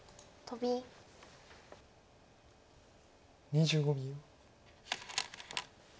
２５秒。